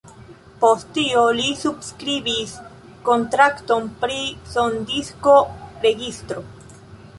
Post tio li subskribis kontrakton pri sondisko-registro.